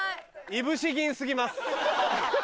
いぶし銀過ぎます。